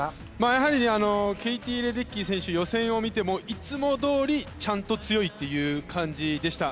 やはりケイティ・レデッキー選手は予選を見てもいつもどおりちゃんと強いという感じでした。